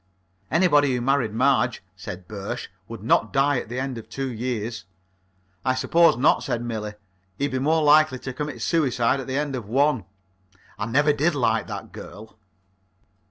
"Anybody who married Marge," said Birsch, "would not die at the end of two years." "I suppose not," said Millie. "He'd be more likely to commit suicide at the end of one." I never did like that girl.